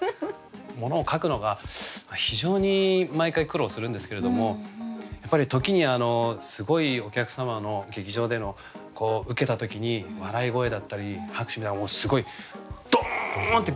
ものを書くのが非常に毎回苦労するんですけれどもやっぱり時にすごいお客様の劇場でのウケた時に笑い声だったり拍手がすごいどんってくる時があるんですよ